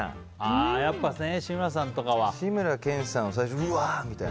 でも、志村けんさんは最初、うわー！みたいな。